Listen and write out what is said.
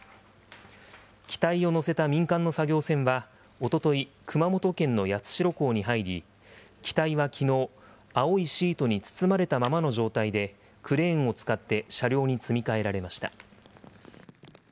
機体を載せた民間の作業船はおととい、熊本県の八代港に入り、機体はきのう、青いシートに包まれたままの状態で、クレーンを使って車両に積み替えられました。